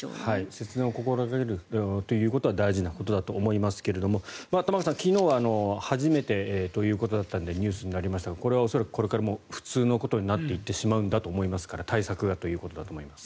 節電を心掛けることは大事だと思いますが玉川さん、昨日は初めてということだったのでニュースになりましたがこれは恐らくこれからも普通のことになっていってしまうんだと思いますから対策がということだと思います。